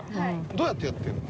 どうやってやってるの？